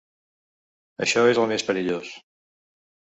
Això és el més perillós.